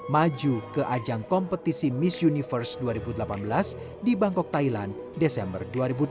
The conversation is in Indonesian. maju ke ajang kompetisi miss universe dua ribu delapan belas di bangkok thailand desember dua ribu delapan belas